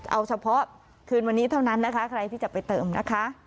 เอาเฉพาะคืนวันนี้เท่านั้นนะคะใครที่จะไปเติมนะคะ